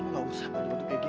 kamu gak usah